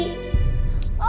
om malaikat baik hati